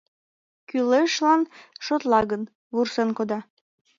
кӱлешлан шотла гын, вурсен кода!